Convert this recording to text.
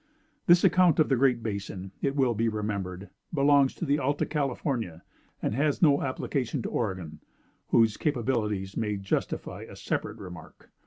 "This account of the Great Basin, it will be remembered, belongs to the Alta California, and has no application to Oregon, whose capabilities may justify a separate remark.